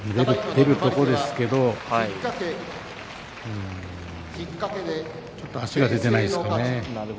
出るところですけれどもちょっと足が出ていませんね。